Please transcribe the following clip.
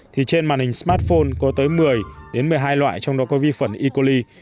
thì trên màn hình smartphone có tới một mươi đến một mươi hai loại trong đó có vi khuẩn e coli